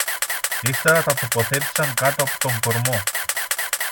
Ύστερα τα τοποθέτησαν κάτω από τον κορμό